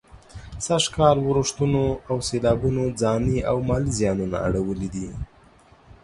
سږ کال ورښتونو او سېلابونو ځاني او مالي زيانونه اړولي دي.